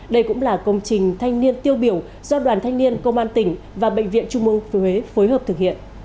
đây cũng là công trình thanh niên tiêu biểu do đoàn thanh niên công an tỉnh và bệnh viện trung mương huế phối hợp thực hiện